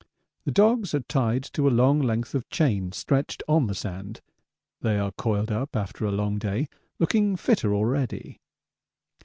The dogs are tied to a long length of chain stretched on the sand; they are coiled up after a long day, looking fitter already.